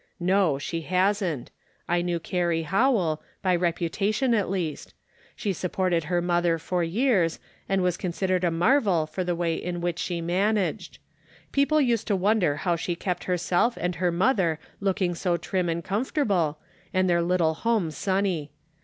"No, she hasn't; I knew Carrie Howell, by reputation at least ; she supported her mother for years, and was considered a marvel for the way in which she managed. People used to wonder how she kept herself and her mother looking so trim and comfortable, and their little home sunny.